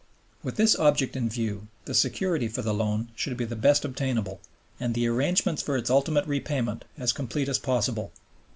With this object in view, the security for the loan should be the best obtainable, and the arrangements for its ultimate repayment as complete as possible.